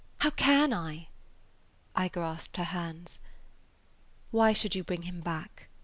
"How can I?" I grasped her hands. "Why should you bring him back?"